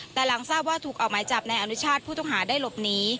แต่หลังทราบว่าถูกออกหมายจับในอนุชาติผู้ต้องหาได้หลบหนี